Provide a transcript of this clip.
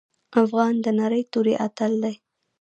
افغان د نرۍ توري اتل دی.